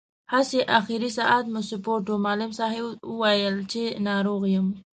هسې، اخر ساعت مو سپورټ و، معلم صاحب ویل چې ناروغ یم.